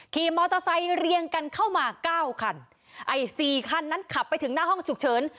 ขี่มอเตอร์ไซค์เรียงกันเข้ามาเก้าคันไอ้สี่คันนั้นขับไปถึงหน้าห้องฉุกเฉิน